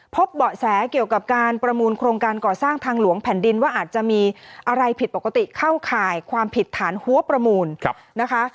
เบาะแสเกี่ยวกับการประมูลโครงการก่อสร้างทางหลวงแผ่นดินว่าอาจจะมีอะไรผิดปกติเข้าข่ายความผิดฐานหัวประมูลนะคะ